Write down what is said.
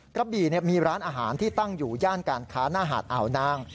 กระบี่มีร้านอาหารที่ตั้งอยู่ย่านการค้าหน้าหาดอ่าวนาง